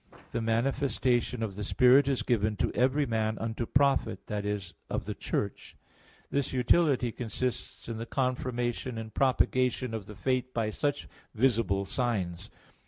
12:7) "the manifestation of the Spirit is given to every man unto profit" that is, of the Church. This utility consists in the confirmation and propagation of the faith by such visible signs.